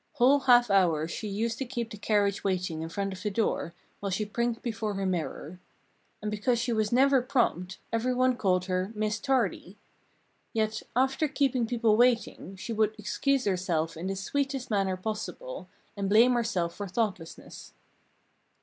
Whole half hours she used to keep the carriage waiting in front of the door, while she prinked before her mirror. And because she was never prompt, every one called her "Miss Tardy." Yet, after keeping people waiting, she would excuse herself in the sweetest manner possible, and blame herself for thoughtlessness.